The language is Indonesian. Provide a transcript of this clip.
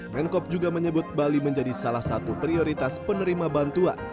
menkop juga menyebut bali menjadi salah satu prioritas penerima bantuan